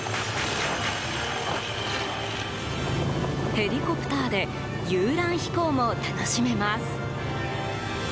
ヘリコプターで遊覧飛行も楽しめます。